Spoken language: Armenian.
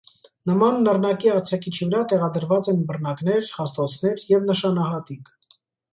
Նման նռնակի արձակիչի վրա տեղադրված են բռնակներ, հաստոցներ և նշանահատիկ։